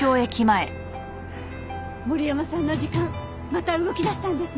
森山さんの時間また動き出したんですね。